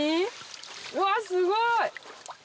うわっすごい！